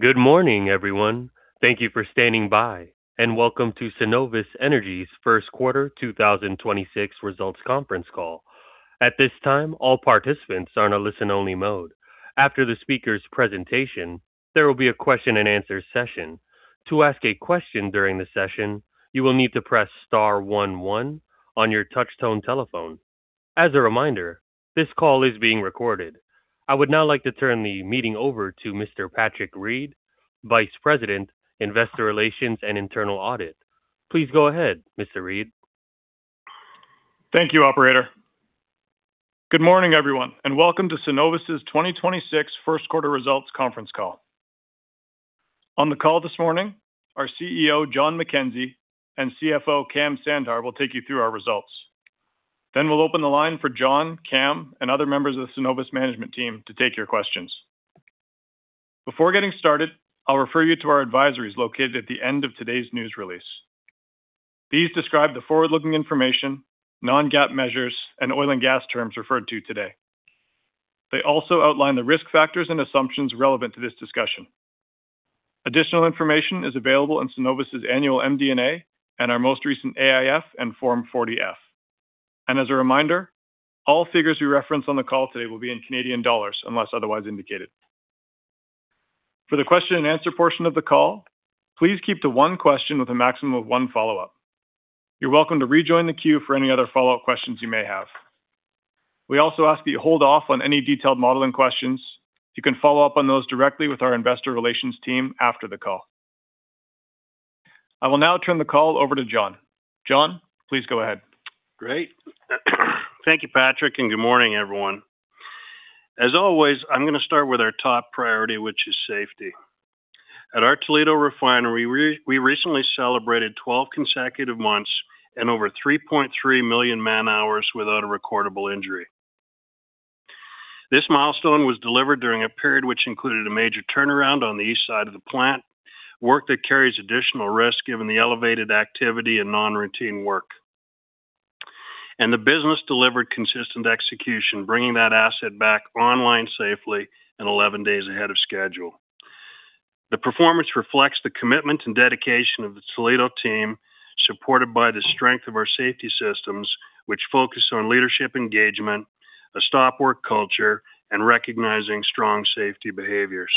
Good morning, everyone. Thank you for standing by and welcome to Cenovus Energy's First Quarter 2026 Results Conference Call. At this time, all participants are in a listen-only mode. After the speaker's presentation, there will be a question-and-answer session. To ask a question during the session, you will need to press star one one on your touchtone telephone. As a reminder, this call is being recorded. I would now like to turn the meeting over to Mr. Patrick Read, Vice President, Investor Relations and Internal Audit. Please go ahead, Mr. Read. Thank you, operator. Good morning, everyone, welcome to Cenovus's 2026 First Quarter Results Conference Call. On the call this morning, our CEO, Jon McKenzie, and CFO, Kam Sandhar, will take you through our results. We'll open the line for Jon, Kam, and other members of the Cenovus management team to take your questions. Before getting started, I'll refer you to our advisories located at the end of today's news release. These describe the forward-looking information, non-GAAP measures, and oil and gas terms referred to today. They also outline the risk factors and assumptions relevant to this discussion. Additional information is available in Cenovus's annual MD&A and our most recent AIF and Form 40-F. As a reminder, all figures we reference on the call today will be in Canadian dollars unless otherwise indicated. For the question and answer portion of the call, please keep to one question with a maximum of one follow-up. You're welcome to rejoin the queue for any other follow-up questions you may have. We also ask that you hold off on any detailed modeling questions. You can follow up on those directly with our investor relations team after the call. I will now turn the call over to Jon. Jon, please go ahead. Great. Thank you, Patrick, and good morning, everyone. As always, I'm going to start with our top priority, which is safety. At our Toledo refinery, we recently celebrated 12 consecutive months and over 3.3 million man-hours without a recordable injury. This milestone was delivered during a period which included a major turnaround on the east side of the plant, work that carries additional risk given the elevated activity and non-routine work. The business delivered consistent execution, bringing that asset back online safely and 11 days ahead of schedule. The performance reflects the commitment and dedication of the Toledo team, supported by the strength of our safety systems, which focus on leadership engagement, a stop work culture, and recognizing strong safety behaviors.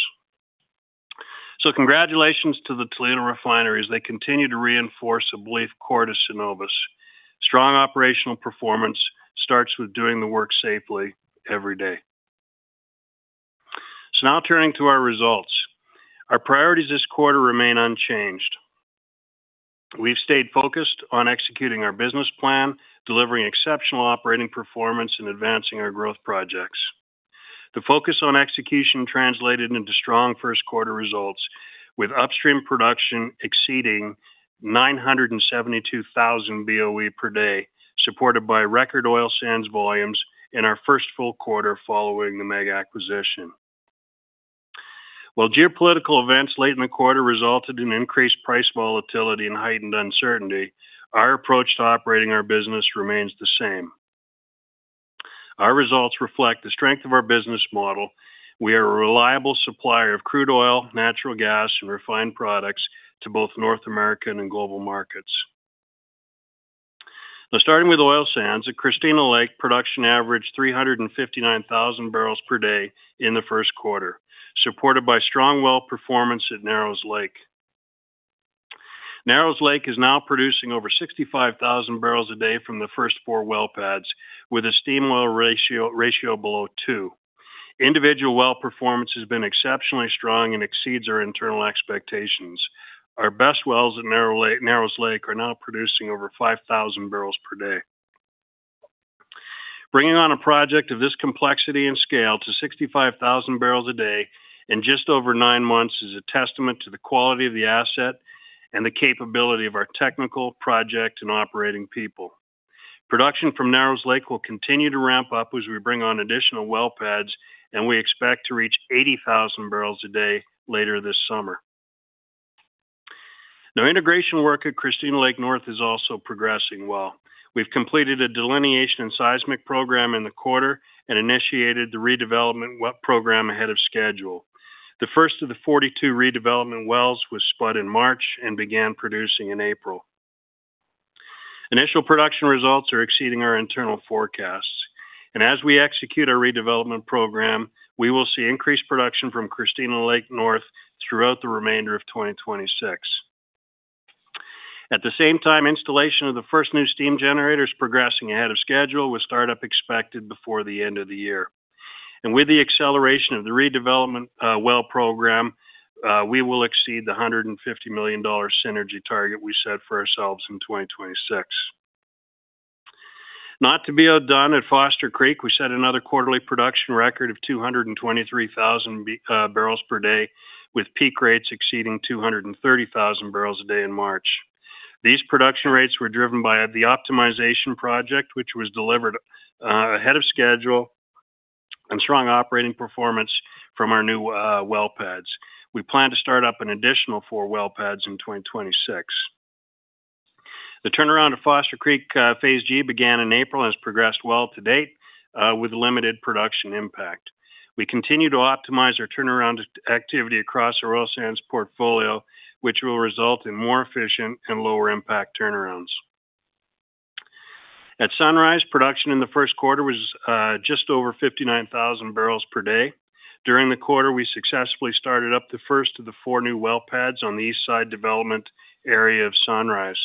Congratulations to the Toledo refinery as they continue to reinforce a belief core to Cenovus. Strong operational performance starts with doing the work safely every day. Now turning to our results. Our priorities this quarter remain unchanged. We've stayed focused on executing our business plan, delivering exceptional operating performance, and advancing our growth projects. The focus on execution translated into strong first quarter results, with upstream production exceeding 972,000 BOE per day, supported by record oil sands volumes in our first full quarter following the MEG acquisition. While geopolitical events late in the quarter resulted in increased price volatility and heightened uncertainty, our approach to operating our business remains the same. Our results reflect the strength of our business model. We are a reliable supplier of crude oil, natural gas, and refined products to both North American and global markets. Starting with oil sands, at Christina Lake, production averaged 359,000 barrels per day in the first quarter, supported by strong well performance at Narrows Lake. Narrows Lake is now producing over 65,000 barrels a day from the first four well pads, with a steam well ratio below two. Individual well performance has been exceptionally strong and exceeds our internal expectations. Our best wells at Narrows Lake are now producing over 5,000 barrels per day. Bringing on a project of this complexity and scale to 65,000 barrels a day in just over nine months is a testament to the quality of the asset and the capability of our technical, project, and operating people. Production from Narrows Lake will continue to ramp up as we bring on additional well pads. We expect to reach 80,000 barrels a day later this summer. Integration work at Christina Lake North is also progressing well. We've completed a delineation and seismic program in the quarter and initiated the redevelopment well program ahead of schedule. The first of the 42 redevelopment wells was spud in March and began producing in April. Initial production results are exceeding our internal forecasts. As we execute our redevelopment program, we will see increased production from Christina Lake North throughout the remainder of 2026. At the same time, installation of the first new steam generator is progressing ahead of schedule, with startup expected before the end of the year. With the acceleration of the redevelopment, well program, we will exceed the 150 million dollar synergy target we set for ourselves in 2026. Not to be outdone, at Foster Creek, we set another quarterly production record of 223,000 barrels per day, with peak rates exceeding 230,000 barrels a day in March. These production rates were driven by the optimization project, which was delivered ahead of schedule and strong operating performance from our new well pads. We plan to start up an additional four well pads in 2026. The turnaround of Foster Creek, Phase G began in April and has progressed well to date with limited production impact. We continue to optimize our turnaround activity across our oil sands portfolio, which will result in more efficient and lower impact turnarounds. At Sunrise, production in the first quarter was just over 59,000 barrels per day. During the quarter, we successfully started up the first of the four new well pads on the east side development area of Sunrise.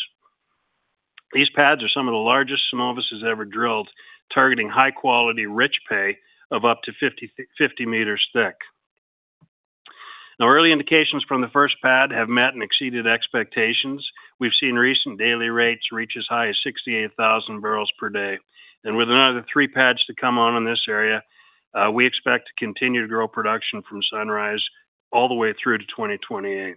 These pads are some of the largest Cenovus has ever drilled, targeting high-quality rich pay of up to 50 m thick. Early indications from the first pad have met and exceeded expectations. We've seen recent daily rates reach as high as 68,000 barrels per day. With another three pads to come on in this area, we expect to continue to grow production from Sunrise all the way through to 2028.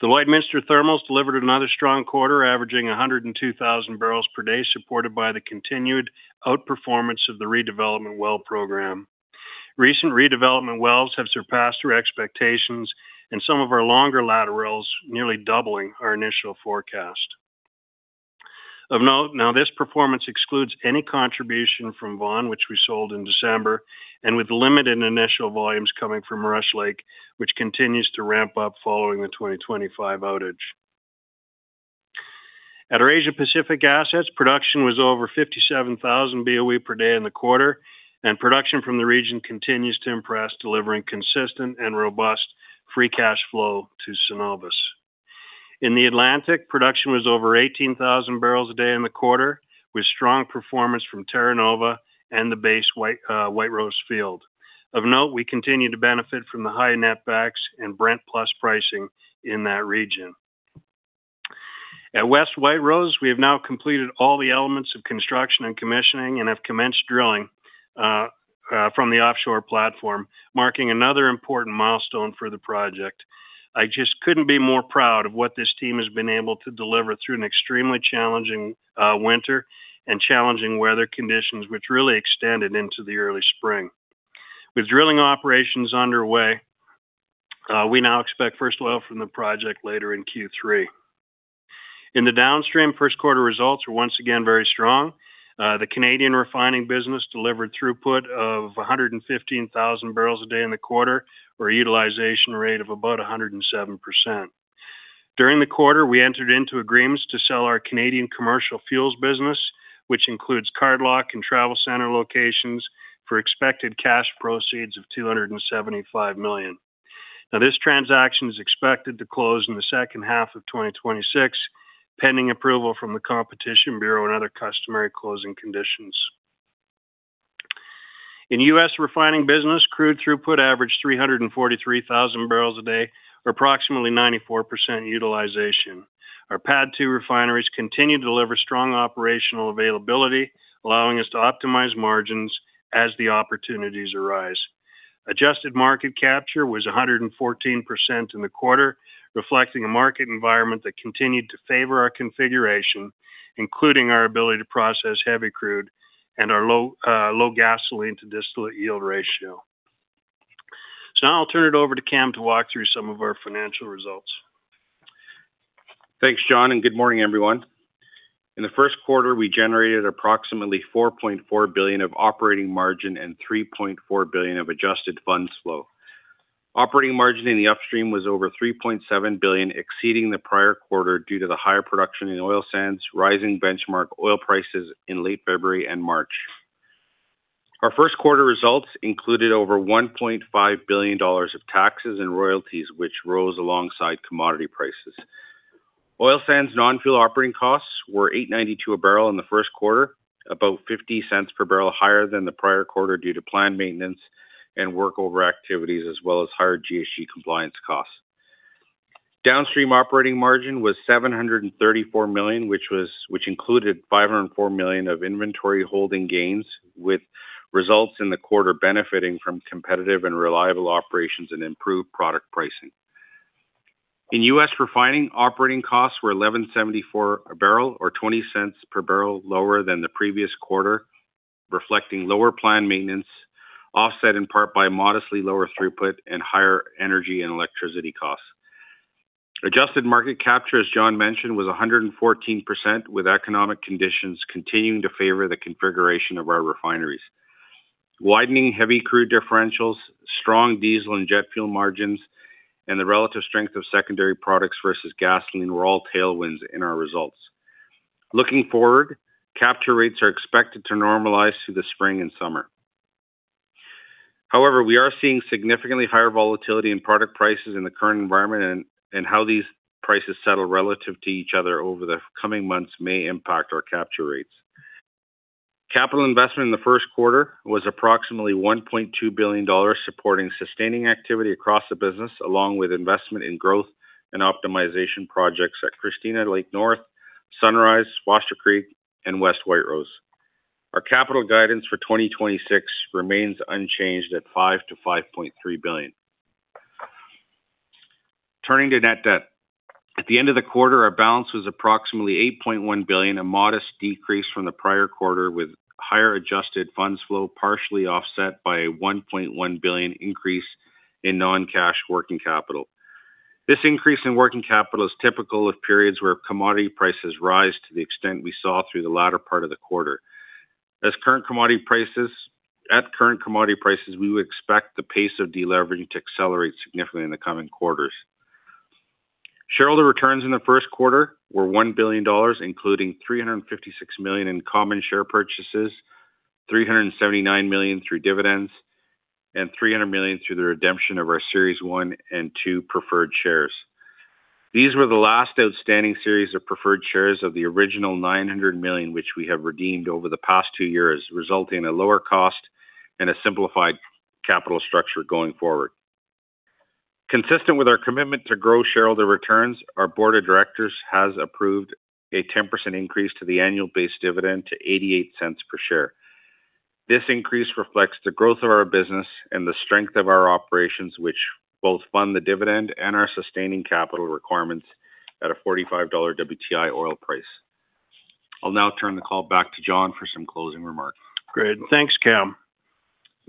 The Lloydminster Thermals delivered another strong quarter, averaging 102,000 barrels per day, supported by the continued outperformance of the redevelopment well program. Recent redevelopment wells have surpassed our expectations, some of our longer laterals nearly doubling our initial forecast. Of note, now, this performance excludes any contribution from Vawn, which we sold in December, and with limited initial volumes coming from Rush Lake, which continues to ramp up following the 2025 outage. At our Asia Pacific assets, production was over 57,000 BOE per day in the quarter, and production from the region continues to impress, delivering consistent and robust free cash flow to Cenovus. In the Atlantic, production was over 18,000 barrels a day in the quarter, with strong performance from Terra Nova and the base White Rose field. Of note, we continue to benefit from the high netbacks and Brent plus pricing in that region. At West White Rose, we have now completed all the elements of construction and commissioning and have commenced drilling from the offshore platform, marking another important milestone for the project. I just couldn't be more proud of what this team has been able to deliver through an extremely challenging winter and challenging weather conditions which really extended into the early spring. With drilling operations underway, we now expect first oil from the project later in Q3. In the downstream, first quarter results were once again very strong. The Canadian refining business delivered throughput of 115,000 barrels a day in the quarter for a utilization rate of about 107%. During the quarter, we entered into agreements to sell our Canadian commercial fuels business, which includes Cardlock and Travel Center locations, for expected cash proceeds of 275 million. This transaction is expected to close in the second half of 2026, pending approval from the Competition Bureau and other customary closing conditions. In U.S. refining business, crude throughput averaged 343,000 barrels a day or approximately 94% utilization. Our PADD II refineries continue to deliver strong operational availability, allowing us to optimize margins as the opportunities arise. Adjusted market capture was 114% in the quarter, reflecting a market environment that continued to favor our configuration, including our ability to process heavy crude and our low gasoline to distillate yield ratio. Now I'll turn it over to Kam to walk through some of our financial results. Thanks, Jon, and good morning, everyone. In the first quarter, we generated approximately 4.4 billion of operating margin and 3.4 billion of adjusted funds flow. Operating margin in the upstream was over 3.7 billion, exceeding the prior quarter due to the higher production in oil sands, rising benchmark oil prices in late February and March. Our first quarter results included over 1.5 billion dollars of taxes and royalties, which rose alongside commodity prices. Oil sands non-fuel operating costs were 8.92 a barrel in the first quarter, about 0.50 per barrel higher than the prior quarter due to planned maintenance and work over activities as well as higher GHG compliance costs. Downstream operating margin was 734 million, which included 504 million of inventory holding gains, with results in the quarter benefiting from competitive and reliable operations and improved product pricing. In U.S. refining, operating costs were 11.74 a barrel or 0.20 per barrel lower than the previous quarter, reflecting lower planned maintenance, offset in part by modestly lower throughput and higher energy and electricity costs. Adjusted market capture, as Jon mentioned, was 114%, with economic conditions continuing to favor the configuration of our refineries. Widening heavy crude differentials, strong diesel and jet fuel margins, and the relative strength of secondary products versus gasoline were all tailwinds in our results. Looking forward, capture rates are expected to normalize through the spring and summer. However, we are seeing significantly higher volatility in product prices in the current environment and how these prices settle relative to each other over the coming months may impact our capture rates. Capital investment in the first quarter was approximately 1.2 billion dollars, supporting sustaining activity across the business, along with investment in growth and optimization projects at Christina Lake North, Sunrise, Foster Creek, and West White Rose. Our capital guidance for 2026 remains unchanged at 5 billion-5.3 billion. Turning to net debt. At the end of the quarter, our balance was approximately 8.1 billion, a modest decrease from the prior quarter with higher adjusted funds flow partially offset by a 1.1 billion increase in non-cash working capital. This increase in working capital is typical of periods where commodity prices rise to the extent we saw through the latter part of the quarter. As current commodity prices, at current commodity prices, we would expect the pace of deleveraging to accelerate significantly in the coming quarters. Shareholder returns in the first quarter were 1 billion dollars, including 356 million in common share purchases, 379 million through dividends, and 300 million through the redemption of our Series 1 and 2 preferred shares. These were the last outstanding series of preferred shares of the original 900 million, which we have redeemed over the past two years, resulting in a lower cost and a simplified capital structure going forward. Consistent with our commitment to grow shareholder returns, our board of directors has approved a 10% increase to the annual base dividend to 0.88 per share. This increase reflects the growth of our business and the strength of our operations, which both fund the dividend and our sustaining capital requirements at a 45 dollar WTI oil price. I'll now turn the call back to Jon for some closing remarks. Great. Thanks, Kam.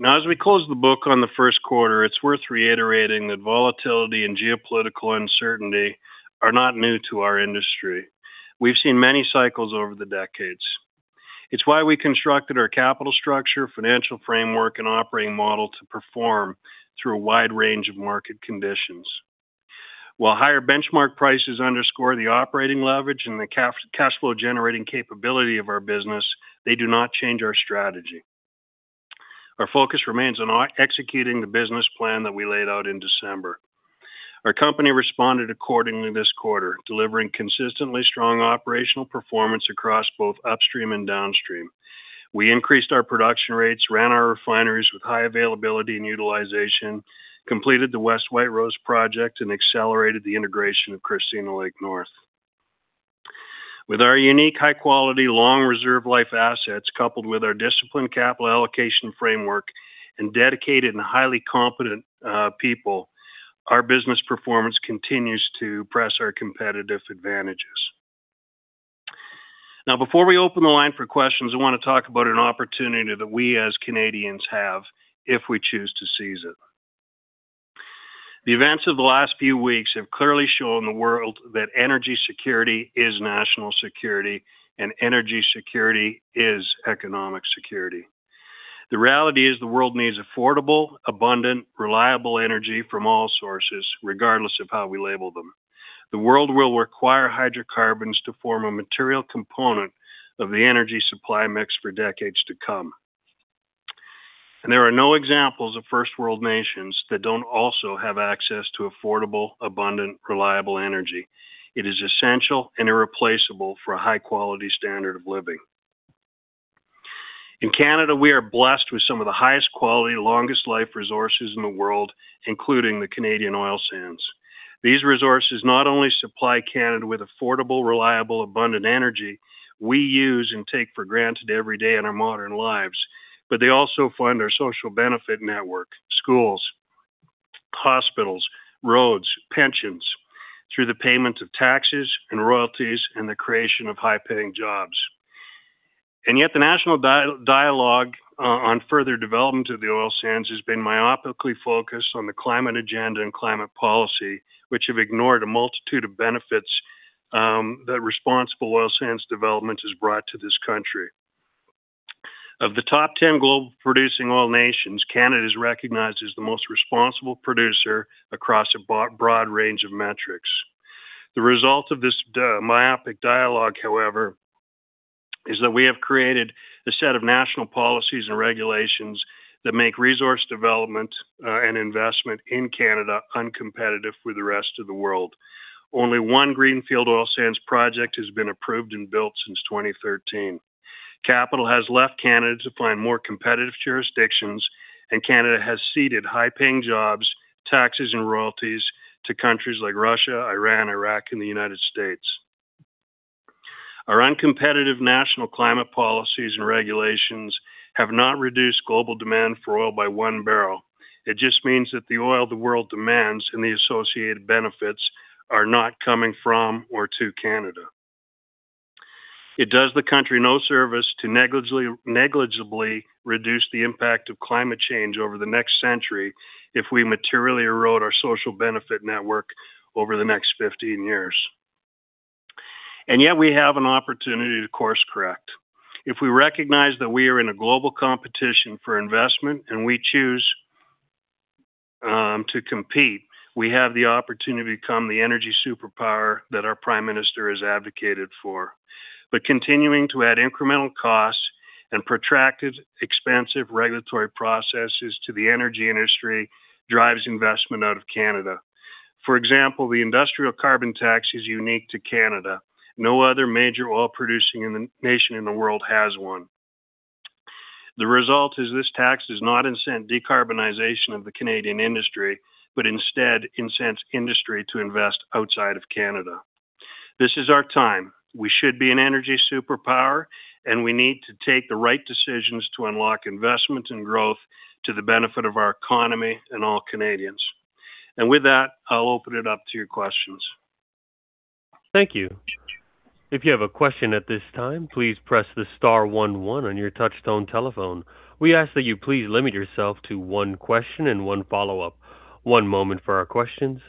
As we close the book on the first quarter, it's worth reiterating that volatility and geopolitical uncertainty are not new to our industry. We've seen many cycles over the decades. It's why we constructed our capital structure, financial framework, and operating model to perform through a wide range of market conditions. While higher benchmark prices underscore the operating leverage and the cash flow-generating capability of our business, they do not change our strategy. Our focus remains on executing the business plan that we laid out in December. Our company responded accordingly this quarter, delivering consistently strong operational performance across both upstream and downstream. We increased our production rates, ran our refineries with high availability and utilization, completed the West White Rose project, and accelerated the integration of Christina Lake North. With our unique high-quality, long reserve life assets, coupled with our disciplined capital allocation framework and dedicated and highly competent people, our business performance continues to press our competitive advantages. Before we open the line for questions, I wanna talk about an opportunity that we, as Canadians, have if we choose to seize it. The events of the last few weeks have clearly shown the world that energy security is national security, and energy security is economic security. The reality is the world needs affordable, abundant, reliable energy from all sources, regardless of how we label them. The world will require hydrocarbons to form a material component of the energy supply mix for decades to come. There are no examples of first-world nations that don't also have access to affordable, abundant, reliable energy. It is essential and irreplaceable for a high-quality standard of living. In Canada, we are blessed with some of the highest quality, longest life resources in the world, including the Canadian oil sands. These resources not only supply Canada with affordable, reliable, abundant energy we use and take for granted every day in our modern lives, but they also fund our social benefit network, schools, hospitals, roads, pensions through the payment of taxes and royalties and the creation of high-paying jobs. The national dialogue on further development of the oil sands has been myopically focused on the climate agenda and climate policy, which have ignored a multitude of benefits that responsible oil sands development has brought to this country. Of the top 10 global producing oil nations, Canada is recognized as the most responsible producer across a broad range of metrics. The result of this myopic dialogue, however, is that we have created a set of national policies and regulations that make resource development and investment in Canada uncompetitive with the rest of the world. Only one greenfield oil sands project has been approved and built since 2013. Capital has left Canada to find more competitive jurisdictions. Canada has ceded high-paying jobs, taxes, and royalties to countries like Russia, Iran, Iraq, and the United States. Our uncompetitive national climate policies and regulations have not reduced global demand for oil by one barrel. It just means that the oil the world demands and the associated benefits are not coming from or to Canada. It does the country no service to negligibly reduce the impact of climate change over the next century if we materially erode our social benefit network over the next 15 years. Yet we have an opportunity to course-correct. If we recognize that we are in a global competition for investment and we choose to compete, we have the opportunity to become the energy superpower that our prime minister has advocated for. Continuing to add incremental costs and protracted, expansive regulatory processes to the energy industry drives investment out of Canada. For example, the industrial carbon tax is unique to Canada. No other major oil-producing nation in the world has one. The result is this tax does not incent decarbonization of the Canadian industry, but instead incents industry to invest outside of Canada. This is our time. We should be an energy superpower, and we need to take the right decisions to unlock investment and growth to the benefit of our economy and all Canadians. With that, I'll open it up to your questions. Thank you. If you have a question at this time, please press the star one one on your touchtone telephone. We ask you please limit yourself with one question and one follow-up. One moment for our question.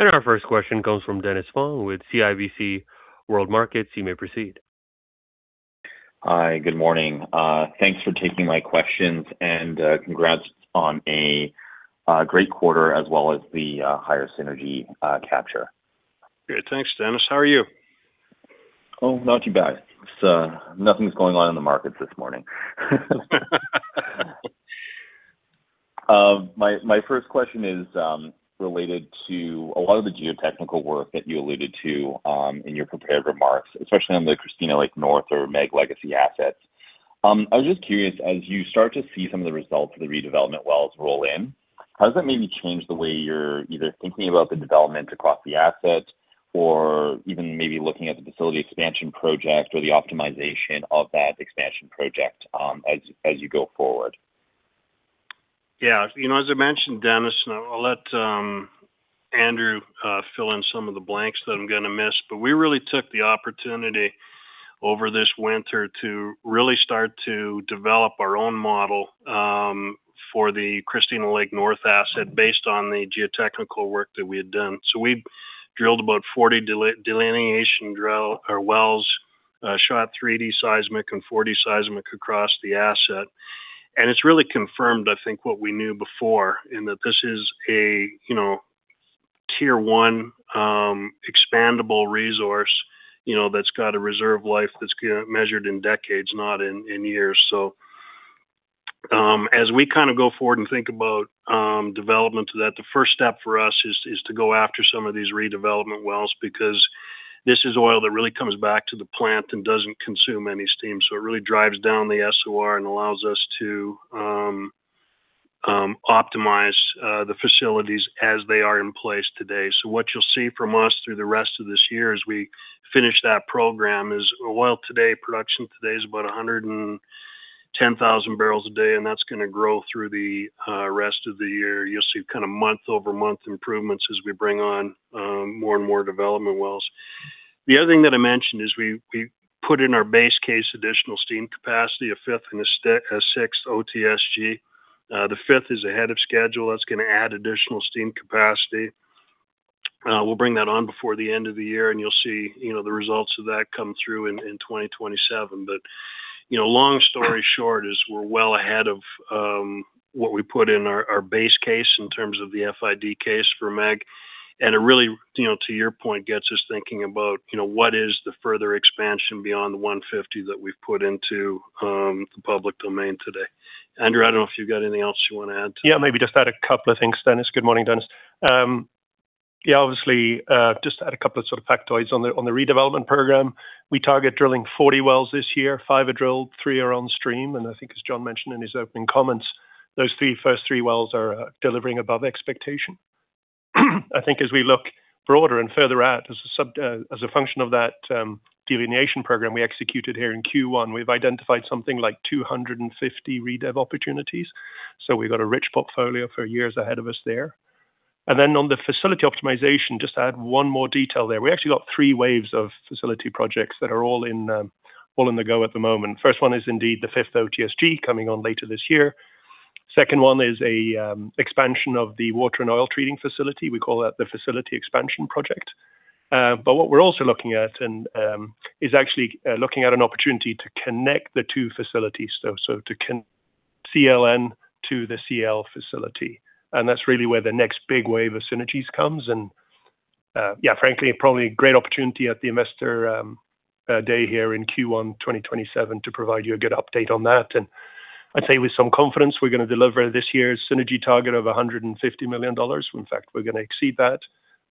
Our first question comes from Dennis Fong with CIBC World Markets. You may proceed. Hi, good morning. Thanks for taking my questions and congrats on a great quarter as well as the higher synergy capture. Great. Thanks, Dennis. How are you? Not too bad. Just nothing's going on in the markets this morning. My first question is related to a lot of the geotechnical work that you alluded to in your prepared remarks, especially on the Christina Lake North or MEG legacy assets. I was just curious, as you start to see some of the results of the redevelopment wells roll in, how does that maybe change the way you're either thinking about the development across the assets or even maybe looking at the facility expansion project or the optimization of that expansion project as you go forward? Yeah. You know, as I mentioned, Dennis, I'll let Andrew fill in some of the blanks that I'm gonna miss, but we really took the opportunity over this winter to really start to develop our own model for the Christina Lake North asset based on the geotechnical work that we had done. We drilled about 40 delineation drill or wells, shot 3D seismic and 40 seismic across the asset. It's really confirmed, I think, what we knew before in that this is a, you know, tier one, expandable resource, you know, that's got a reserve life that's gonna measured in decades, not in years. As we kind of go forward and think about development to that, the first step for us is to go after some of these redevelopment wells because this is oil that really comes back to the plant and doesn't consume any steam. It really drives down the SOR and allows us to optimize the facilities as they are in place today. What you'll see from us through the rest of this year as we finish that program is oil today, production today is about 110,000 barrels a day, and that's gonna grow through the rest of the year. You'll see kind of month-over-month improvements as we bring on more and more development wells. The other thing that I mentioned is we put in our base case additional steam capacity, a fifth and a sixth OTSG. The fifth is ahead of schedule. That's gonna add additional steam capacity. We'll bring that on before the end of the year, and you'll see, you know, the results of that come through in 2027. You know, long story short is we're well ahead of what we put in our base case in terms of the FID case for MEG. It really, you know, to your point, gets us thinking about, you know, what is the further expansion beyond the 150 million that we've put into the public domain today. Andrew, I don't know if you've got anything else you wanna add to that. Yeah, maybe just add a couple of things, Dennis. Good morning, Dennis. Yeah, obviously, just to add a couple of sort of factoids on the redevelopment program. We target drilling 40 wells this year. Five are drilled, three are on stream. I think as Jon mentioned in his opening comments, those first three wells are delivering above expectation. I think as we look broader and further out as a function of that delineation program we executed here in Q1, we've identified something like 250 redev opportunities. We've got a rich portfolio for years ahead of us there. Then on the facility optimization, just to add one more detail there. We actually got three waves of facility projects that are all in, all in the go at the moment. First one is indeed the fifth OTSG coming on later this year. Second one is a expansion of the water and oil treating facility. We call that the facility expansion project. What we're also looking at and is actually looking at an opportunity to connect the two facilities, CLN to the CL facility. That's really where the next big wave of synergies comes. Yeah, frankly, probably a great opportunity at the Investor Day here in Q1 2027 to provide you a good update on that. I'd say with some confidence, we're gonna deliver this year's synergy target of 150 million dollars. In fact, we're gonna exceed that,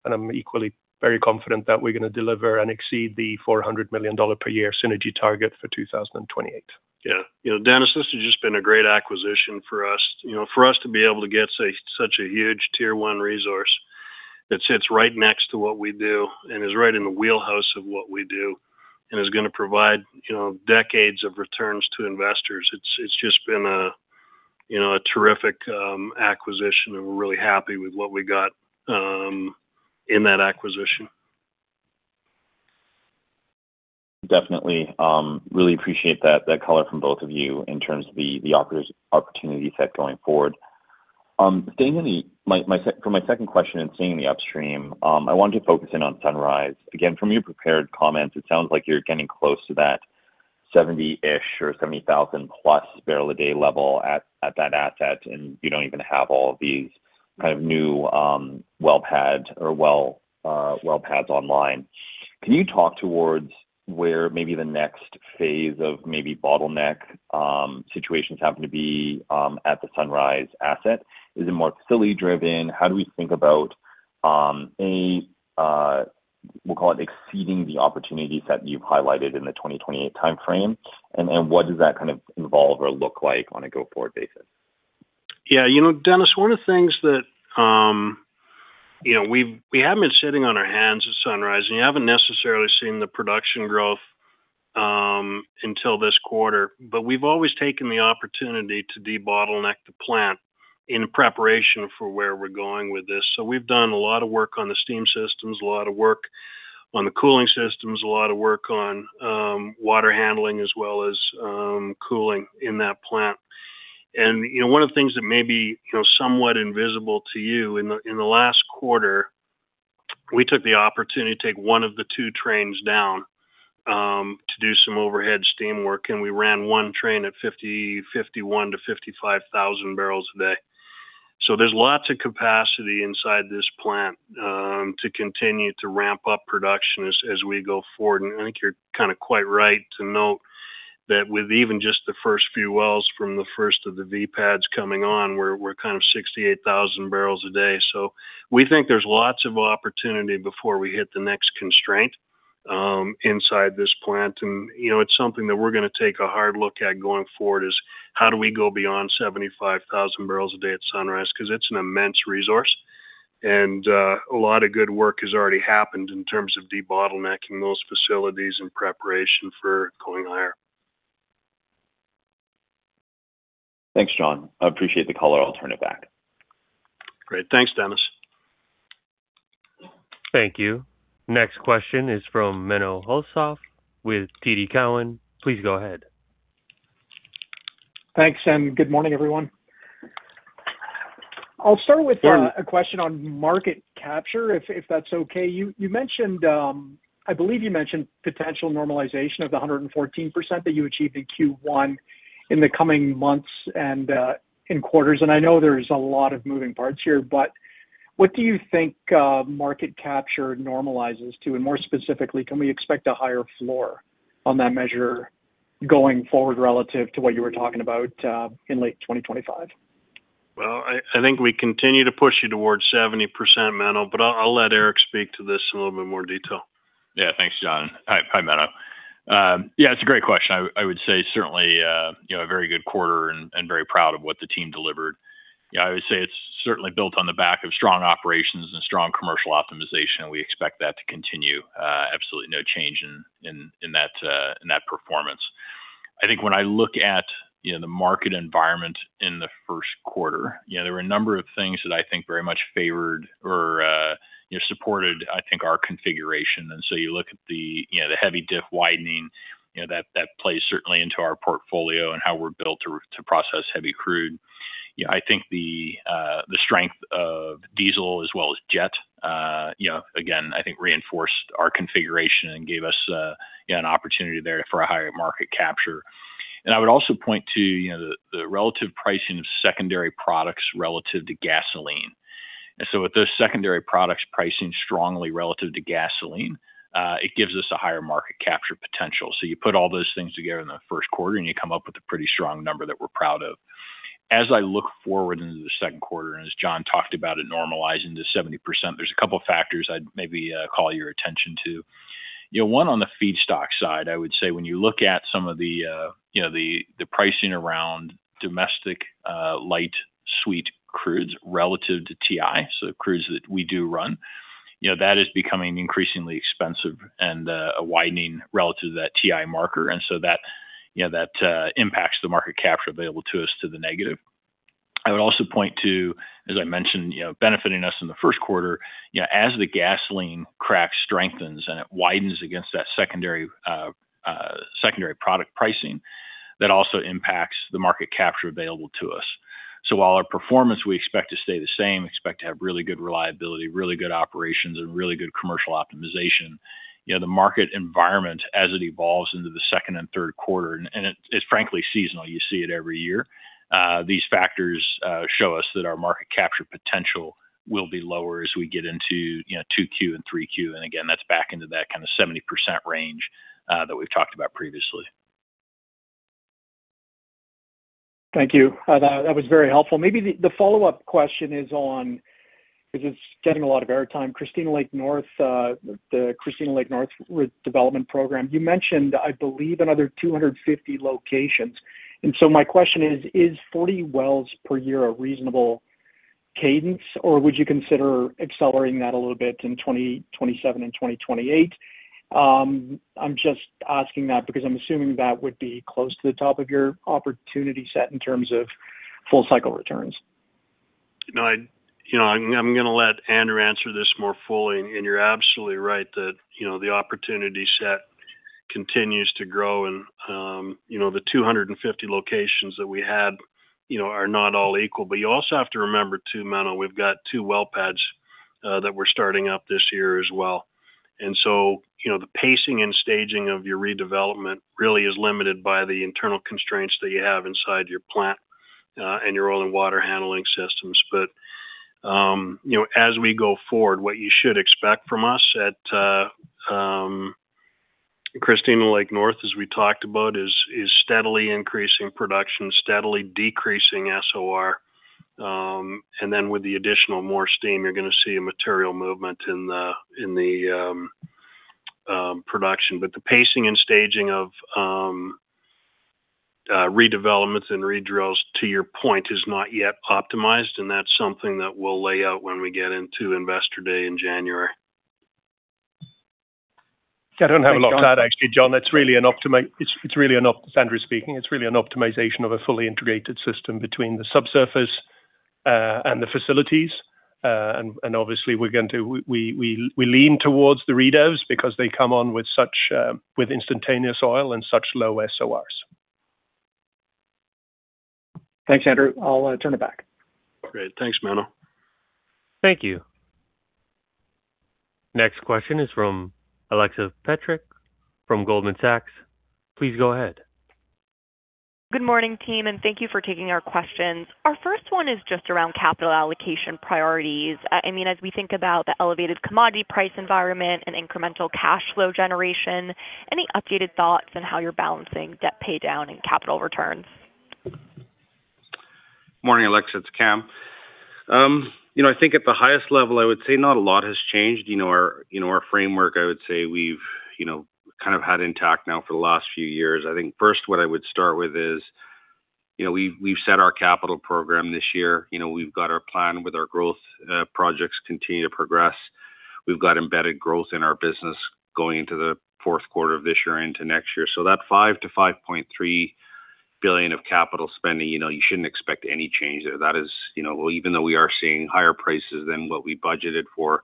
and I'm equally very confident that we're gonna deliver and exceed the 400 million dollar per year synergy target for 2028. Yeah. You know, Dennis, this has just been a great acquisition for us. You know, for us to be able to get such a huge tier one resource that sits right next to what we do and is right in the wheelhouse of what we do and is gonna provide, you know, decades of returns to investors, it's just been a, you know, a terrific acquisition, and we're really happy with what we got in that acquisition. Definitely. Really appreciate that color from both of you in terms of the opportunity set going forward. For my second question and staying in the upstream, I wanted to focus in on Sunrise. Again, from your prepared comments, it sounds like you're getting close to that 70-ish or 70,000 plus barrel a day level at that asset, and you don't even have all of these kind of new well pads online. Can you talk towards where maybe the next phase of maybe bottleneck situations happen to be at the Sunrise asset? Is it more facility-driven? How do we think about, we'll call it exceeding the opportunities that you've highlighted in the 2028 timeframe? What does that kind of involve or look like on a go-forward basis? You know, Dennis, one of the things that, you know, we haven't been sitting on our hands at Sunrise, and you haven't necessarily seen the production growth until this quarter. We've always taken the opportunity to debottleneck the plant in preparation for where we're going with this. We've done a lot of work on the steam systems, a lot of work on the cooling systems, a lot of work on water handling as well as cooling in that plant. You know, one of the things that may be, you know, somewhat invisible to you, in the last quarter, we took the opportunity to take one of the two trains down to do some overhead steam work, and we ran one train at 51,000-55,000 barrels a day. There's lots of capacity inside this plant to continue to ramp up production as we go forward. I think you're kind of quite right to note that with even just the first few wells from the first of the well pads coming on, we're kind of 68,000 barrels a day. We think there's lots of opportunity before we hit the next constraint inside this plant. You know, it's something that we're going to take a hard look at going forward, is how do we go beyond 75,000 barrels a day at Sunrise? Because it's an immense resource. A lot of good work has already happened in terms of debottlenecking those facilities in preparation for going higher. Thanks, Jon. I appreciate the color. I'll turn it back. Great. Thanks, Dennis. Thank you. Next question is from Menno Hulshof with TD Cowen. Please go ahead. Thanks, and good morning, everyone. Yeah. A question on market capture if that's okay. You mentioned, I believe you mentioned potential normalization of the 114% that you achieved in Q1 in the coming months and in quarters. I know there's a lot of moving parts here, but what do you think market capture normalizes to? More specifically, can we expect a higher floor on that measure going forward relative to what you were talking about in late 2025? Well, I think we continue to push you towards 70%, Menno, but I'll let Eric speak to this in a little bit more detail. Thanks, Jon. Hi. Hi, Menno. It's a great question. I would say certainly, you know, a very good quarter and very proud of what the team delivered. You know, I would say it's certainly built on the back of strong operations and strong commercial optimization, and we expect that to continue. Absolutely no change in that performance. I think when I look at, you know, the market environment in the first quarter, you know, there were a number of things that I think very much favored or, you know, supported, I think our configuration. You look at the, you know, the heavy diff widening, you know, that plays certainly into our portfolio and how we're built to process heavy crude. You know, I think the strength of diesel as well as jet, you know, again, I think reinforced our configuration and gave us, you know, an opportunity there for a higher market capture. I would also point to the relative pricing of secondary products relative to gasoline. With those secondary products pricing strongly relative to gasoline, it gives us a higher market capture potential. You put all those things together in the first quarter, and you come up with a pretty strong number that we're proud of. As I look forward into the second quarter, and as Jon McKenzie talked about it normalizing to 70%, there's a couple factors I'd maybe call your attention to. You know, one on the feedstock side, I would say when you look at some of the, you know, the pricing around domestic light sweet crudes relative to TI, so crudes that we do run, you know, that is becoming increasingly expensive and a widening relative to that TI marker. That, you know, that impacts the market capture available to us to the negative. I would also point to, as I mentioned, you know, benefiting us in the first quarter, you know, as the gasoline crack strengthens and it widens against that secondary product pricing, that also impacts the market capture available to us. While our performance we expect to stay the same, expect to have really good reliability, really good operations, and really good commercial optimization, you know, the market environment as it evolves into the second and third quarter, and it's frankly seasonal. You see it every year. These factors show us that our market capture potential will be lower as we get into, you know, 2Q and 3Q. Again, that's back into that kind of 70% range that we've talked about previously. Thank you. That was very helpful. Maybe the follow-up question is on, because it's getting a lot of air time, Christina Lake North, the Christina Lake North development program. You mentioned, I believe, another 250 locations. My question is 40 wells per year a reasonable cadence, or would you consider accelerating that a little bit in 2027 and 2028? I'm just asking that because I'm assuming that would be close to the top of your opportunity set in terms of full cycle returns. No, you know, I'm gonna let Andrew answer this more fully. You're absolutely right that, you know, the opportunity set continues to grow, you know, the 250 locations that we had, you know, are not all equal. You also have to remember too, Menno, we've got two well pads that we're starting up this year as well. You know, the pacing and staging of your redevelopment really is limited by the internal constraints that you have inside your plant and your oil and water handling systems. You know, as we go forward, what you should expect from us at Christina Lake North, as we talked about, is steadily increasing production, steadily decreasing SOR. With the additional more steam, you're gonna see a material movement in the, in the production. The pacing and staging of- Redevelopments and redrills to your point is not yet optimized. That's something that we'll lay out when we get into Investor Day in January. Yeah, I don't have a lot to add actually, Jon. Andrew speaking. It's really an optimization of a fully integrated system between the subsurface and the facilities. Obviously, We lean towards the redevs because they come on with such instantaneous oil and such low SORs. Thanks, Andrew. I'll turn it back. Great. Thanks, Menno. Thank you. Next question is from Alexa Petrick from Goldman Sachs. Please go ahead. Good morning, team, and thank you for taking our questions. Our first one is just around capital allocation priorities. I mean, as we think about the elevated commodity price environment and incremental cash flow generation, any updated thoughts on how you're balancing debt pay down and capital returns? Morning, Alexa, it's Kam. You know, I think at the highest level, I would say not a lot has changed. You know, our, you know, our framework, I would say we've, you know, kind of had intact now for the last few years. I think first, what I would start with is, you know, we've set our capital program this year. You know, we've got our plan with our growth projects continue to progress. We've got embedded growth in our business going into the fourth quarter of this year into next year. That 5 billion-5.3 billion of capital spending, you know, you shouldn't expect any change there. Well, even though we are seeing higher prices than what we budgeted for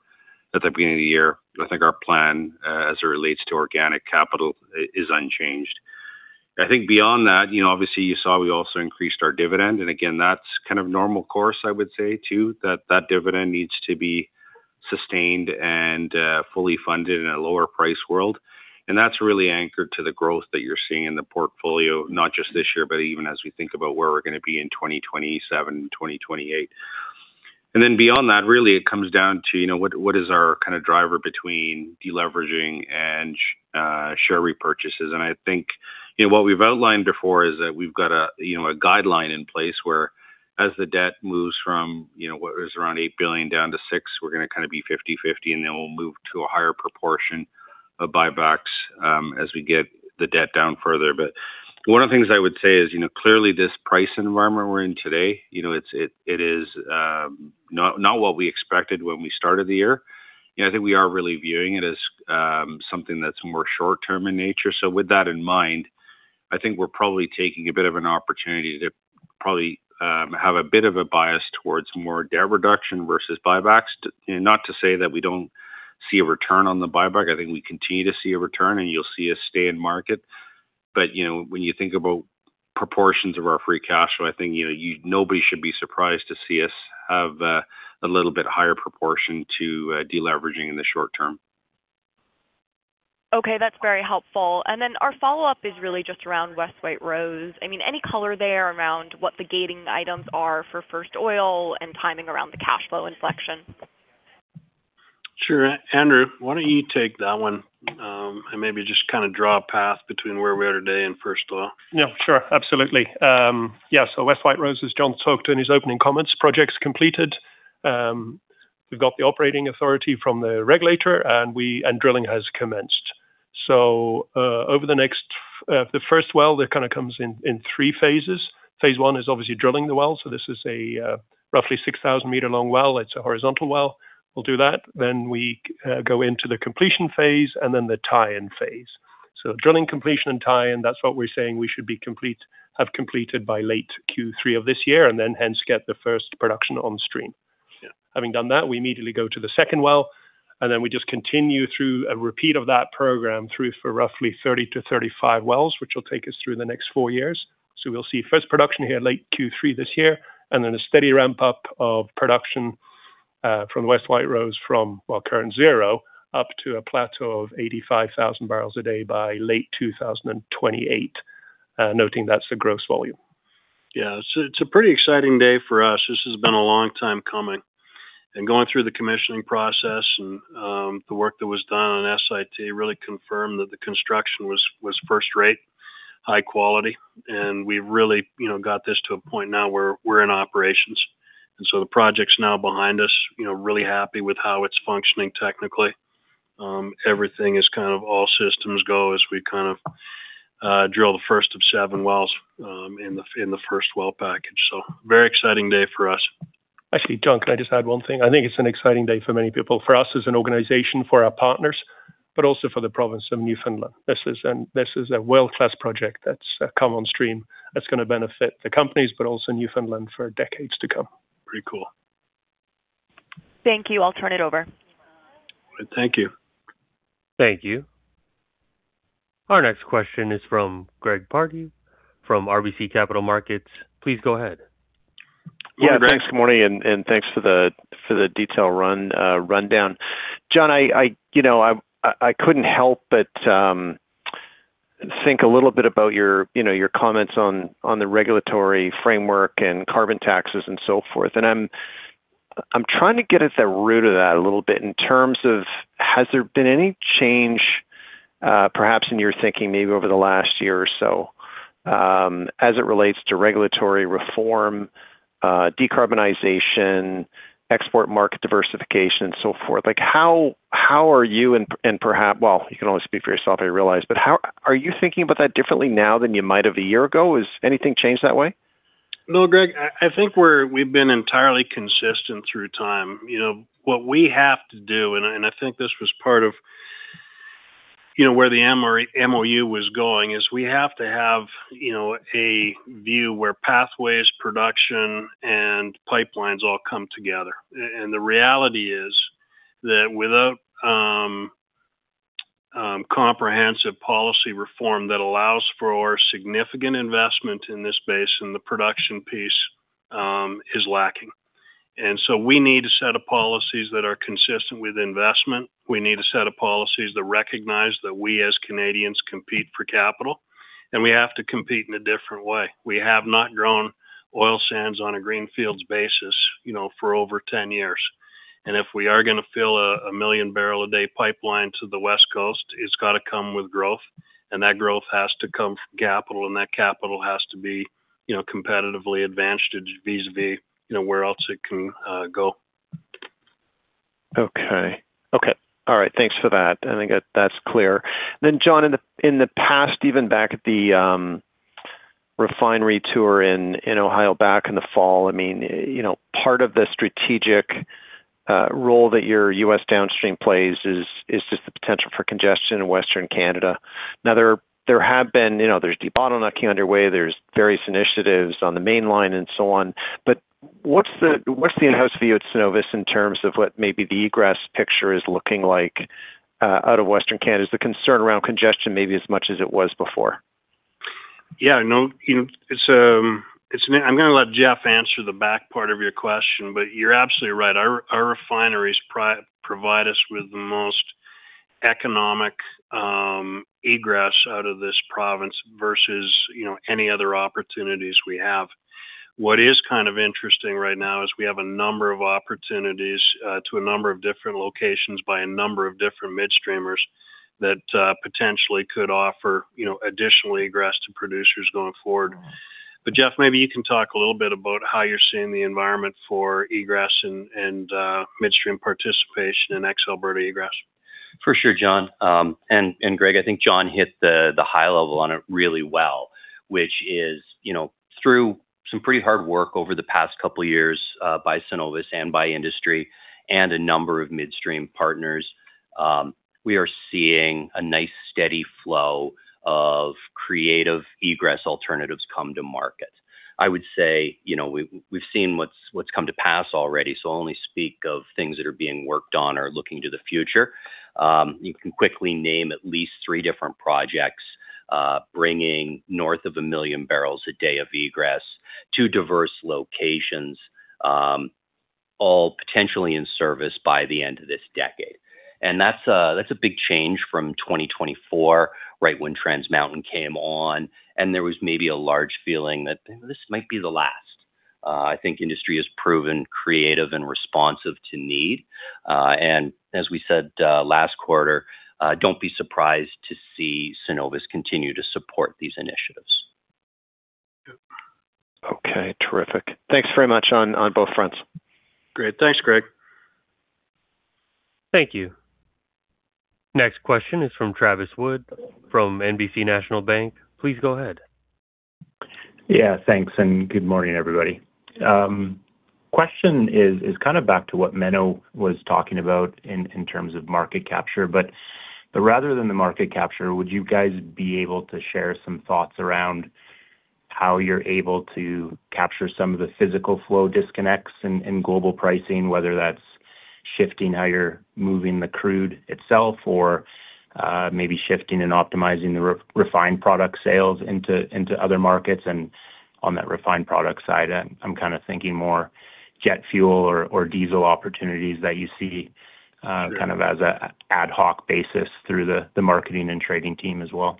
at the beginning of the year, I think our plan, as it relates to organic capital is unchanged. I think beyond that, you know, obviously you saw we also increased our dividend. Again, that's kind of normal course, I would say, too, that that dividend needs to be sustained and fully funded in a lower price world. That's really anchored to the growth that you're seeing in the portfolio, not just this year, but even as we think about where we're gonna be in 2027 and 2028. Beyond that, really, it comes down to, you know, what is our kind of driver between deleveraging and share repurchases. I think, you know, what we've outlined before is that we've got a, you know, a guideline in place where as the debt moves from, you know, what is around 8 billion down to 6 billion, we're going to kind of be 50/50, then we will move to a higher proportion of buybacks as we get the debt down further. One of the things I would say is, you know, clearly this price environment we're in today, you know, it is not what we expected when we started the year. You know, I think we are really viewing it as something that is more short term in nature. With that in mind, I think we are probably taking a bit of an opportunity to probably have a bit of a bias towards more debt reduction versus buybacks. Not to say that we don't see a return on the buyback. I think we continue to see a return, and you'll see us stay in market. You know, when you think about proportions of our free cash flow, I think, you know, nobody should be surprised to see us have a little bit higher proportion to deleveraging in the short term. Okay. That's very helpful. Our follow-up is really just around West White Rose. I mean, any color there around what the gating items are for first oil and timing around the cash flow inflection? Sure. Andrew, why don't you take that one, and maybe just kinda draw a path between where we are today and first oil. Yeah. Sure. Absolutely. West White Rose, as Jon talked in his opening comments, project's completed. We've got the operating authority from the regulator, drilling has commenced. Over the next, the first well, that kind of comes in three phases. Phase I is obviously drilling the well, this is a roughly 6,000 m long well. It's a horizontal well. We'll do that. We go into the completion phase and the tie-in phase. Drilling, completion, and tie-in, that's what we're saying we should have completed by late Q3 of this year and then hence get the first production on the stream. Having done that, we immediately go to the second well, and then we just continue through a repeat of that program through for roughly 30-35 wells, which will take us through the next four years. We'll see first production here late Q3 2024, and then a steady ramp-up of production from West White Rose from, well, current zero up to a plateau of 85,000 barrels a day by late 2028. Noting that's the gross volume. Yeah. It's a pretty exciting day for us. This has been a long time coming. Going through the commissioning process, the work that was done on SIT really confirmed that the construction was first rate, high quality. We really, you know, got this to a point now where we're in operations. The project's now behind us. You know, really happy with how it's functioning technically. Everything is kind of all systems go as we kind of drill the first of seven wells in the first well package. Very exciting day for us. Actually, Jon, can I just add one thing? I think it's an exciting day for many people, for us as an organization, for our partners, but also for the province of Newfoundland. This is a world-class project that's come on stream that's gonna benefit the companies but also Newfoundland for decades to come. Pretty cool. Thank you. I'll turn it over. Thank you. Thank you. Our next question is from Greg Pardy from RBC Capital Markets. Please go ahead. Yeah, thanks. Good morning, and thanks for the detail rundown. Jon, I, you know, I couldn't help but think a little bit about your, you know, your comments on the regulatory framework and carbon taxes and so forth. I'm trying to get at the root of that a little bit in terms of, has there been any change perhaps in your thinking maybe over the last year or so, as it relates to regulatory reform, decarbonization, export market diversification, and so forth? Like, how are you and perhaps, well, you can only speak for yourself, I realize. How are you thinking about that differently now than you might have a year ago? Has anything changed that way? No, Greg, I think we've been entirely consistent through time. You know, what we have to do, and I think this was part of, you know, where the MOU was going, is we have to have, you know, a view where pathways, production, and pipelines all come together. And the reality is that without comprehensive policy reform that allows for significant investment in this space and the production piece is lacking. We need a set of policies that are consistent with investment. We need a set of policies that recognize that we, as Canadians, compete for capital, and we have to compete in a different way. We have not grown oil sands on a greenfields basis, you know, for over 10 years. If we are gonna fill a 1 million barrel a day pipeline to the West Coast, it's gotta come with growth, and that growth has to come from capital, and that capital has to be, you know, competitively advantaged vis-a-vis, you know, where else it can go. Okay. Okay. All right. Thanks for that. I think that's clear. Jon, in the past, even back at the refinery tour in Ohio back in the fall, I mean, you know, part of the strategic role that your U.S. downstream plays is just the potential for congestion in Western Canada. Now, there have been, you know, there's debottlenecking underway, there's various initiatives on the mainline and so on, but what's the in-house view at Cenovus in terms of what maybe the egress picture is looking like out of Western Canada? Is the concern around congestion maybe as much as it was before? You know, it's, I'm gonna let Jeff answer the back part of your question, but you're absolutely right. Our refineries provide us with the most economic egress out of this province versus, you know, any other opportunities we have. What is kind of interesting right now is we have a number of opportunities to a number of different locations by a number of different midstreamers that potentially could offer, you know, additional egress to producers going forward. Jeff, maybe you can talk a little bit about how you're seeing the environment for egress and midstream participation in Ex Alberta egress. For sure, Jon. Greg, I think Jon hit the high level on it really well, which is, you know, through some pretty hard work over the past couple years, by Cenovus and by industry and a number of midstream partners, we are seeing a nice steady flow of creative egress alternatives come to market. I would say, you know, we've seen what's come to pass already, so I'll only speak of things that are being worked on or looking to the future. You can quickly name at least three different projects, bringing north of 1 million barrels a day of egress to diverse locations, all potentially in service by the end of this decade. That's a big change from 2024, right when Trans Mountain came on, and there was maybe a large feeling that, you know, this might be the last. I think industry has proven creative and responsive to need. As we said, last quarter, don't be surprised to see Cenovus continue to support these initiatives. Yep. Okay. Terrific. Thanks very much on both fronts. Great. Thanks, Greg. Thank you. Next question is from Travis Wood from National Bank Financial. Please go ahead. Yeah. Thanks. Good morning, everybody. Question is, kind of back to what Menno was talking about in terms of market capture. Rather than the market capture, would you guys be able to share some thoughts around how you're able to capture some of the physical flow disconnects in global pricing, whether that's shifting how you're moving the crude itself or maybe shifting and optimizing the refined product sales into other markets? On that refined product side, I'm kind of thinking more jet fuel or diesel opportunities that you see kind of as an ad hoc basis through the marketing and trading team as well.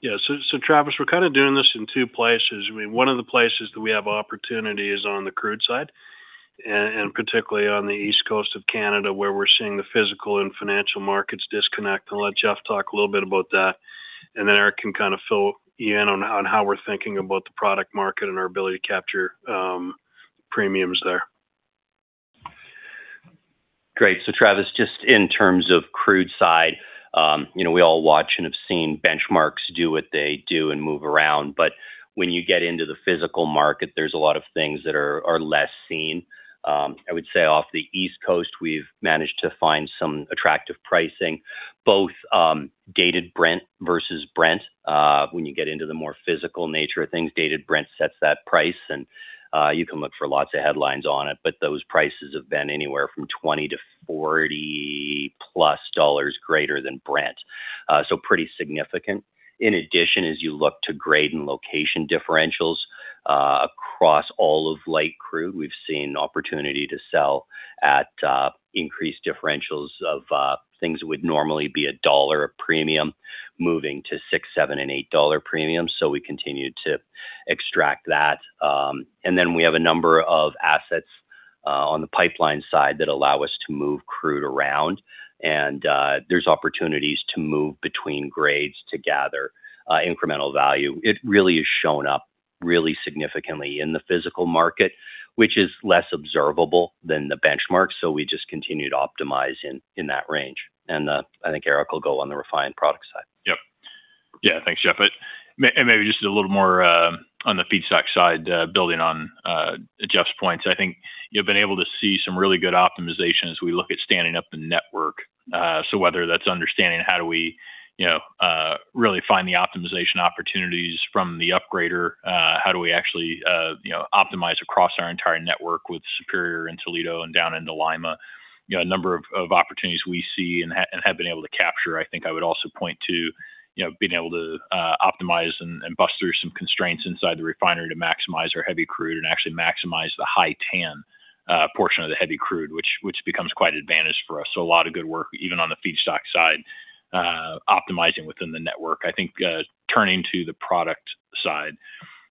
Yeah. Travis, we're kinda doing this in two places. I mean, one of the places that we have opportunity is on the crude side, and particularly on the East Coast of Canada, where we're seeing the physical and financial markets disconnect. I'll let Jeff talk a little bit about that, and then Eric can kind of fill you in on how we're thinking about the product market and our ability to capture premiums there. Great. Travis, just in terms of crude side, you know, we all watch and have seen benchmarks do what they do and move around. When you get into the physical market, there's a lot of things that are less seen. I would say off the East Coast, we've managed to find some attractive pricing, both, Dated Brent versus Brent. When you get into the more physical nature of things, Dated Brent sets that price and you can look for lots of headlines on it, but those prices have been anywhere from 20-40+ dollars greater than Brent. Pretty significant. In addition, as you look to grade and location differentials, across all of light crude, we've seen opportunity to sell at increased differentials of things that would normally be CAD 1, a premium moving to 6, 7, and 8 dollar premium. We continue to extract that. We have a number of assets on the pipeline side that allow us to move crude around. There's opportunities to move between grades to gather incremental value. It really has shown up. Really significantly in the physical market, which is less observable than the benchmark. We just continue to optimize in that range. I think Eric will go on the refined product side. Yep. Yeah, thanks, Jeff. Maybe just a little more on the feedstock side, building on Jeff's points. I think you've been able to see some really good optimization as we look at standing up the network. Whether that's understanding how do we, you know, really find the optimization opportunities from the upgrader, how do we actually, you know, optimize across our entire network with Superior and Toledo and down into Lima. You know, a number of opportunities we see and have been able to capture. I think I would also point to, you know, being able to optimize and bust through some constraints inside the refinery to maximize our heavy crude and actually maximize the high TAN portion of the heavy crude, which becomes quite advantage for us. A lot of good work, even on the feedstock side, optimizing within the network. I think, turning to the product side,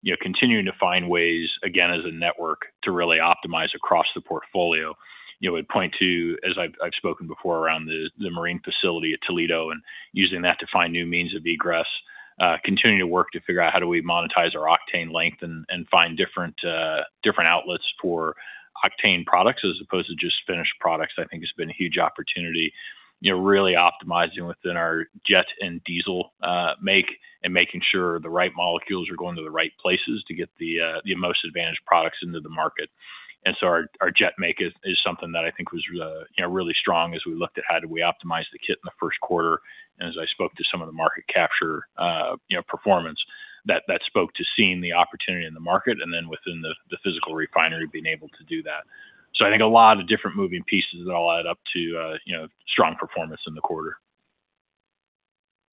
you know, continuing to find ways, again, as a network to really optimize across the portfolio. You know, I would point to, as I've spoken before around the marine facility at Toledo and using that to find new means of egress. Continuing to work to figure out how do we monetize our octane length and find different outlets for octane products as opposed to just finished products, I think has been a huge opportunity. You know, really optimizing within our jet and diesel make and making sure the right molecules are going to the right places to get the most advantaged products into the market. Our jet make is something that I think was, you know, really strong as we looked at how do we optimize the kit in the first quarter. As I spoke to some of the market capture, you know, performance that spoke to seeing the opportunity in the market and then within the physical refinery being able to do that. I think a lot of different moving pieces that all add up to, you know, strong performance in the quarter.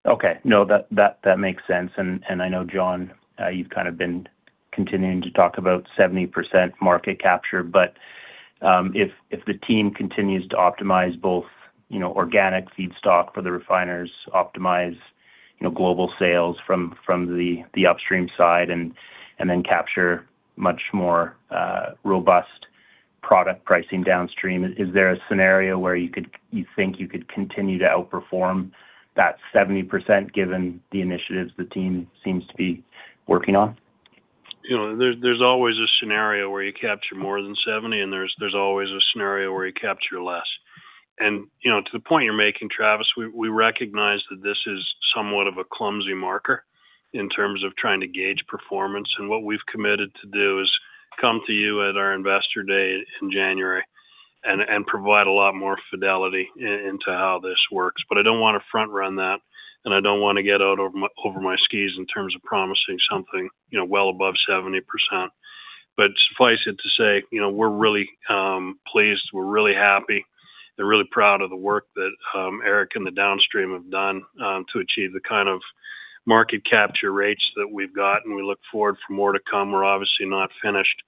Okay. No, that makes sense. I know, Jon, you've kind of been continuing to talk about 70% market capture, but if the team continues to optimize both, you know, organic feedstock for the refiners, optimize, you know, global sales from the upstream side and then capture much more robust product pricing downstream, is there a scenario where you think you could continue to outperform that 70% given the initiatives the team seems to be working on? You know, there's always a scenario where you capture more than 70% and there's always a scenario where you capture less. You know, to the point you're making, Travis, we recognize that this is somewhat of a clumsy marker in terms of trying to gauge performance. What we've committed to do is come to you at our Investor Day in January and provide a lot more fidelity into how this works. I don't wanna front run that, I don't wanna get out over my skis in terms of promising something, you know, well above 70%. Suffice it to say, you know, we're really pleased, we're really happy and really proud of the work that Eric and the downstream have done to achieve the kind of market capture rates that we've got, and we look forward for more to come. We're obviously not finished,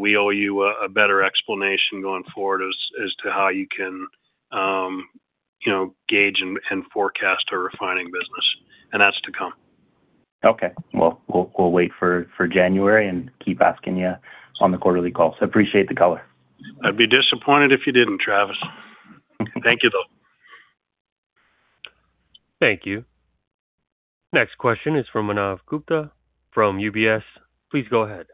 we owe you a better explanation going forward as to how you can, you know, gauge and forecast our refining business, and that's to come. Okay. Well, we'll wait for January and keep asking you on the quarterly calls. Appreciate the color. I'd be disappointed if you didn't, Travis. Thank you, though. Thank you. Next question is from Manav Gupta from UBS. Please go ahead.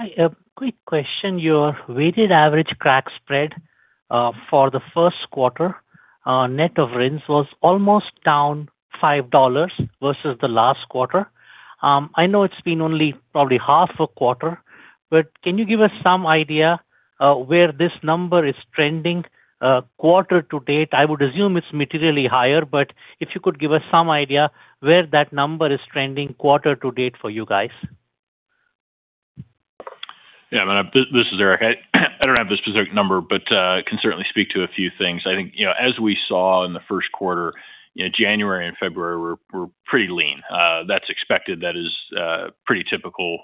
Hi, a quick question. Your weighted average crack spread for the first quarter net of RINs was almost down 5 dollars versus the last quarter. I know it's been only probably 1/2 a quarter, can you give us some idea where this number is trending quarter to date? I would assume it's materially higher, if you could give us some idea where that number is trending quarter to date for you guys? Yeah, Manav, this is Eric. I don't have the specific number, but can certainly speak to a few things. You know, as we saw in the first quarter, you know, January and February were pretty lean. That's expected. That is pretty typical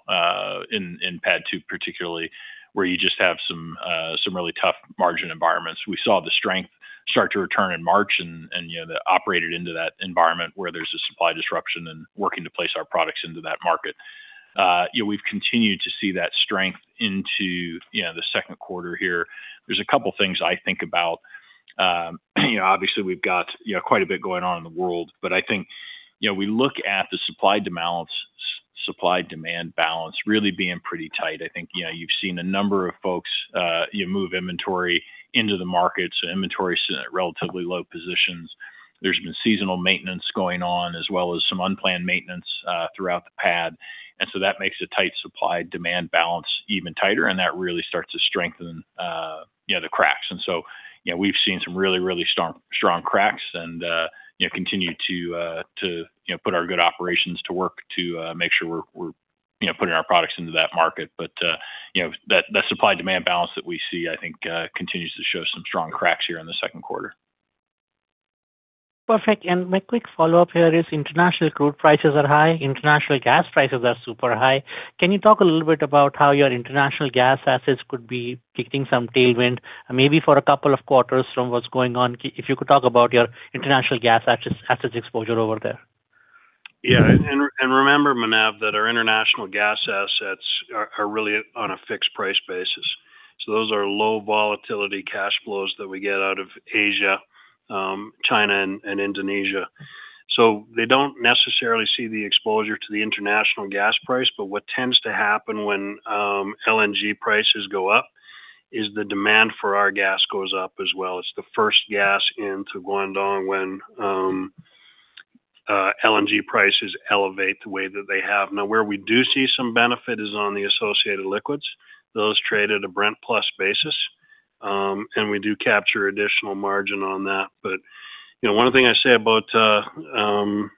in PADD II particularly, where you just have some really tough margin environments. We saw the strength start to return in March and, you know, operated into that environment where there's a supply disruption and working to place our products into that market. You know, we've continued to see that strength into, you know, the second quarter here. There's a couple of things I think about. You know, obviously we've got, you know, quite a bit going on in the world, but I think, you know, we look at the supply-demand balance really being pretty tight. I think, you know, you've seen a number of folks, you know, move inventory into the markets. Inventory sitting at relatively low positions. There's been seasonal maintenance going on, as well as some unplanned maintenance throughout the PADD II. That makes a tight supply-demand balance even tighter, and that really starts to strengthen, you know, the cracks. We've seen some really strong cracks and, you know, continue to, you know, put our good operations to work to make sure we're, you know, putting our products into that market. You know, that supply-demand balance that we see, I think, continues to show some strong cracks here in the second quarter. Perfect. My quick follow-up here is international crude prices are high, international gas prices are super high. Can you talk a little bit about how your international gas assets could be getting some tailwind, maybe for a couple of quarters from what's going on? If you could talk about your international gas assets exposure over there. Yeah. Remember, Manav, that our international gas assets are really on a fixed price basis. Those are low volatility cash flows that we get out of Asia, China, and Indonesia. They don't necessarily see the exposure to the international gas price, but what tends to happen when LNG prices go up is the demand for our gas goes up as well. It's the first gas into Guangdong when LNG prices elevate the way that they have. Where we do see some benefit is on the associated liquids. Those trade at a Brent plus basis. We do capture additional margin on that. You know, one thing I say about our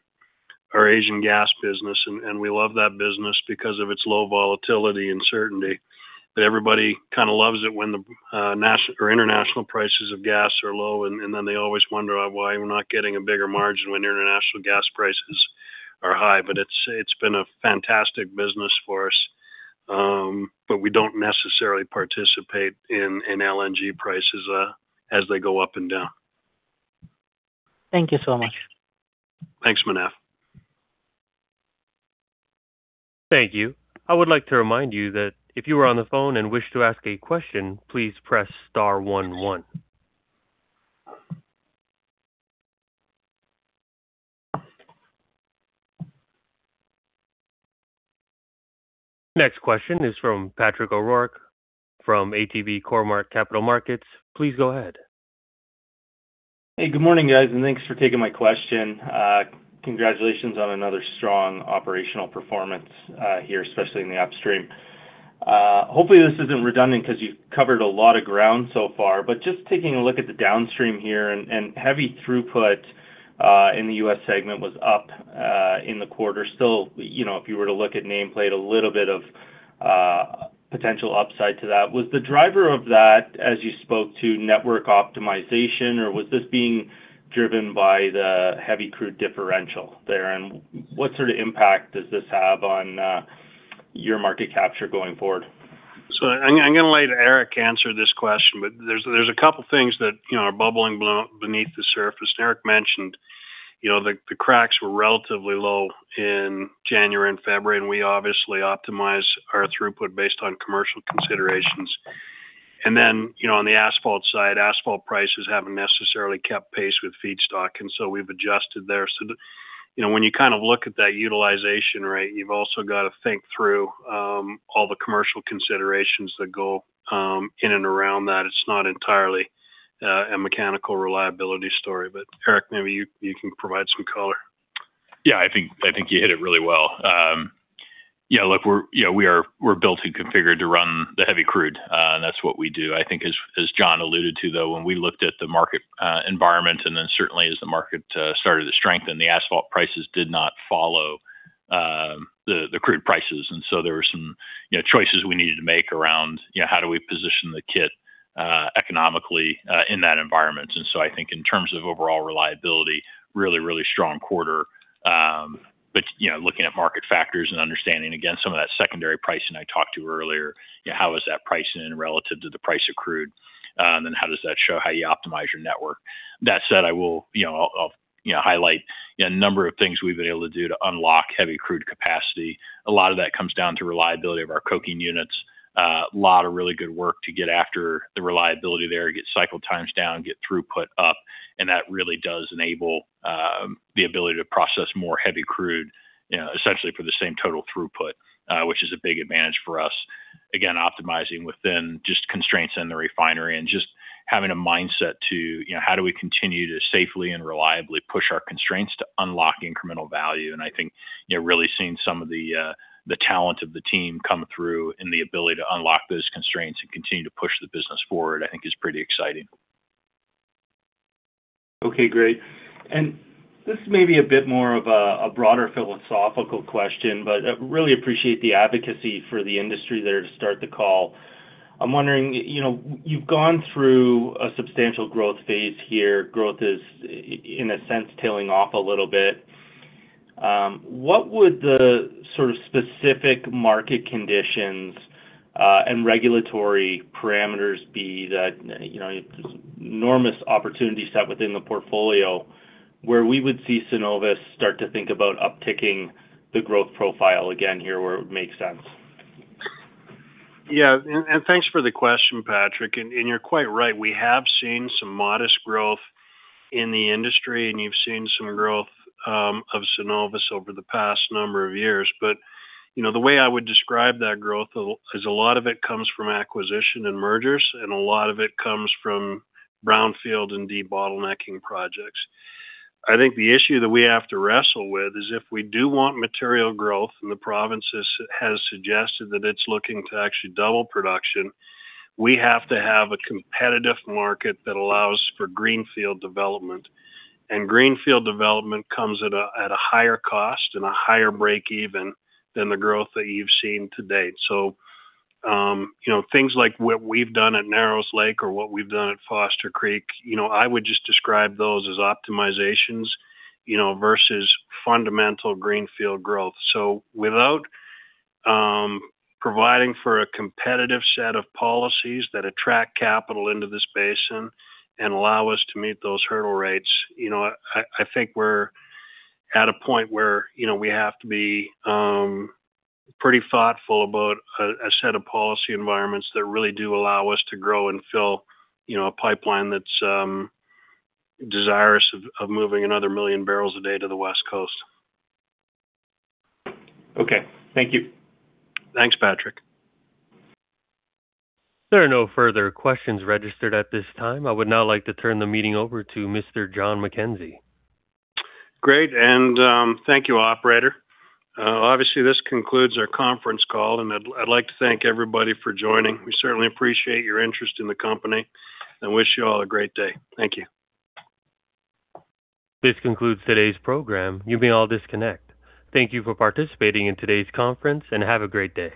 Asian gas business. We love that business because of its low volatility and certainty. Everybody kinda loves it when the international prices of gas are low. Then they always wonder out why we're not getting a bigger margin when international gas prices are high. It's been a fantastic business for us. We don't necessarily participate in LNG prices as they go up and down. Thank you so much. Thanks, Manav. Thank you. I would like to remind you that if you are on the phone and wish to ask a question, please press star one one. Next question is from Patrick O'Rourke from ATB Cormark Capital Markets. Please go ahead. Hey, good morning, guys, and thanks for taking my question. Congratulations on another strong operational performance here, especially in the upstream. Hopefully this isn't redundant because you've covered a lot of ground so far. Just taking a look at the downstream here and heavy throughput in the U.S. segment was up in the quarter. Still, you know, if you were to look at nameplate, a little bit of potential upside to that. Was the driver of that, as you spoke to network optimization, or was this being driven by the heavy crude differential there? What sort of impact does this have on your market capture going forward? I'm gonna let Eric answer this question, but there's a couple things that, you know, are bubbling below, beneath the surface. Eric mentioned, you know, the cracks were relatively low in January and February, and we obviously optimize our throughput based on commercial considerations. You know, on the asphalt side, asphalt prices haven't necessarily kept pace with feedstock, and so we've adjusted there. You know, when you kind of look at that utilization rate, you've also got to think through all the commercial considerations that go in and around that. It's not entirely a mechanical reliability story. Eric, maybe you can provide some color. I think you hit it really well. Look, we're built and configured to run the heavy crude, and that's what we do. I think as Jon alluded to, though, when we looked at the market environment and then certainly as the market started to strengthen, the asphalt prices did not follow the crude prices. There were some choices we needed to make around how do we position the kit economically in that environment. I think in terms of overall reliability, really strong quarter. You know, looking at market factors and understanding, again, some of that secondary pricing I talked to earlier, you know, how is that pricing relative to the price of crude, and how does that show how you optimize your network? That said, I will, you know, highlight a number of things we've been able to do to unlock heavy crude capacity. A lot of that comes down to reliability of our coking units. A lot of really good work to get after the reliability there, get cycle times down, get throughput up, and that really does enable the ability to process more heavy crude, you know, essentially for the same total throughput, which is a big advantage for us. Optimizing within just constraints in the refinery and just having a mindset to, you know, how do we continue to safely and reliably push our constraints to unlock incremental value. I think, you know, really seeing some of the talent of the team come through and the ability to unlock those constraints and continue to push the business forward, I think is pretty exciting. Okay. Great. This may be a bit more of a broader philosophical question, but I really appreciate the advocacy for the industry there to start the call. I'm wondering, you know, you've gone through a substantial growth phase here. Growth is in a sense tailing off a little bit. What would the sort of specific market conditions and regulatory parameters be that, you know, enormous opportunities set within the portfolio where we would see Cenovus start to think about upticking the growth profile again here where it makes sense? Yeah. Thanks for the question, Patrick. You're quite right. We have seen some modest growth in the industry, and you've seen some growth of Cenovus over the past number of years. You know, the way I would describe that growth is a lot of it comes from acquisition and mergers, and a lot of it comes from brownfield and debottlenecking projects. I think the issue that we have to wrestle with is if we do want material growth, and the province has suggested that it's looking to actually double production, we have to have a competitive market that allows for greenfield development. Greenfield development comes at a higher cost and a higher break even than the growth that you've seen to date. You know, things like what we've done at Narrows Lake or what we've done at Foster Creek, you know, I would just describe those as optimizations, you know, versus fundamental greenfield growth. Without providing for a competitive set of policies that attract capital into this basin and allow us to meet those hurdle rates, you know, I think we're at a point where, you know, we have to be pretty thoughtful about a set of policy environments that really do allow us to grow and fill, you know, a pipeline that's desirous of moving another 1 million barrels a day to the West Coast. Okay. Thank you. Thanks, Patrick. There are no further questions registered at this time. I would now like to turn the meeting over to Mr. Jon McKenzie. Great, thank you, operator. Obviously this concludes our conference call, I'd like to thank everybody for joining. We certainly appreciate your interest in the company and wish you all a great day. Thank you. This concludes today's program. You may all disconnect. Thank you for participating in today's conference, and have a great day.